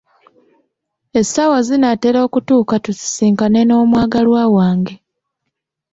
Essaawa zinaatera okutuuka tusisinkane n'omwagalwa wange.